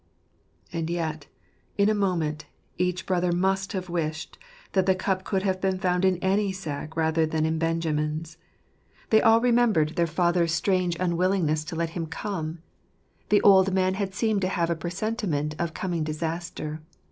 And yet, in a moment, each brother must have wished that the cup could have been found in any sack rather than in Benjamin's. They all remembered their father's 31 garfe 107 strange unwillingness to let him come. The old man had seemed to have a presentiment of coming disaster.